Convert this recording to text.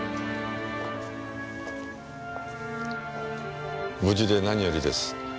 無事で何よりです。